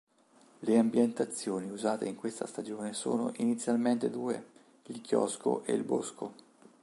Le ambientazioni usate in questa stagione sono inizialmente due: il chiosco ed il bosco.